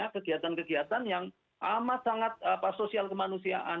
kegiatan kegiatan yang amat sangat sosial kemanusiaan